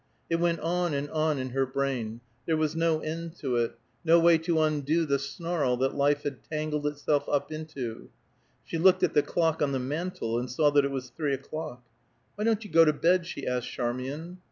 It went on and on, in her brain; there was no end to it; no way to undo the snarl that life had tangled itself up into. She looked at the clock on the mantel, and saw that it was three o'clock. "Why don't you go to bed?" she asked Charmian.